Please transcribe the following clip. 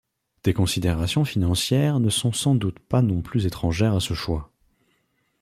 Des considérations financières ne sont sans doute pas non plus étrangères à ce choix.